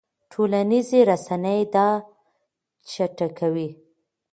ټولنیزې رسنۍ دا چټکوي.